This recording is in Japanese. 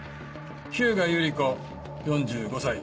日向ゆり子４５歳。